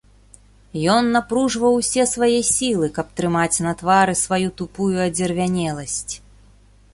Ён напружваў усе свае сілы, каб трымаць на твары сваю тупую адзервянеласць.